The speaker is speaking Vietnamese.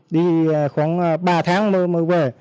đi khoảng ba tháng mới về